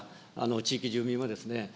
地域住民はですね。